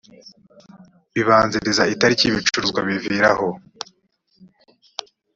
bibanziriza itariki ibicuruzwa bivira aho